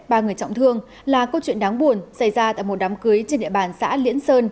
ba người trọng thương là câu chuyện đáng buồn xảy ra tại một đám cưới trên địa bàn xã liễn sơn